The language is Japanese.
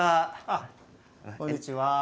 あこんにちは。